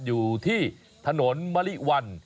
อยู่ที่ถนนมะลิวัน